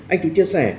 anh tú chia sẻ